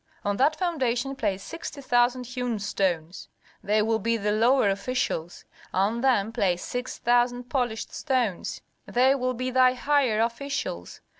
On that foundation place sixty thousand hewn stones; they will be the lower officials. On them place six thousand polished stones; they will be thy higher officials.